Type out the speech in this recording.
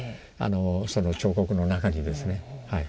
その彫刻の中にですね。